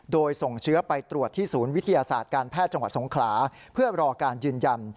โดยส่งเชื้อไปตรวจที่ศูนย์วิทยาศาสตร์การแพทย์จังหวัดสงขลาเพื่อรอการยืนยัน